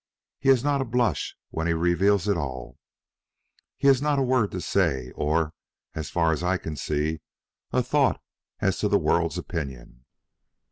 He has not a blush when he reveals it all. He has not a word to say, or, as far as I can see, a thought as to the world's opinion.